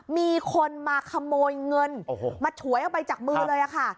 มีคนมาขโมยเงินมาฉวยออกไปจากมือเลยค่ะ